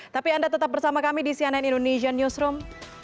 tapi anda tetap bersama kami di cnn indonesian newsroom